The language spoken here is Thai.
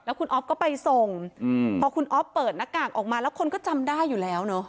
คุณอ๊อฟก็ไปส่งพอคุณอ๊อฟเปิดหน้ากากออกมาแล้วคนก็จำได้อยู่แล้วเนอะ